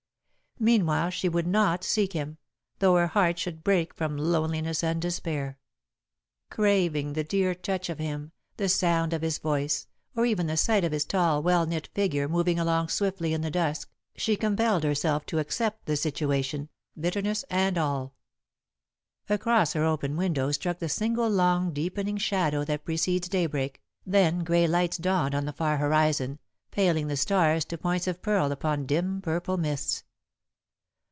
Meanwhile she would not seek him, though her heart should break from loneliness and despair. [Sidenote: Worn and Weary] Craving the dear touch of him, the sound of his voice, or even the sight of his tall well knit figure moving along swiftly in the dusk, she compelled herself to accept the situation, bitterness and all. Across her open window struck the single long deepening shadow that precedes daybreak, then grey lights dawned on the far horizon, paling the stars to points of pearl upon dim purple mists.